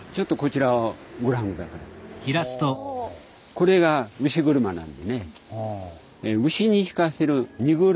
これが牛車なのね。